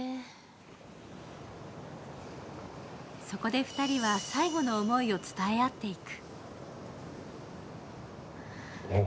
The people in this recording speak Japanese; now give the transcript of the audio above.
そこで２人は最後の思いを伝え合っていく。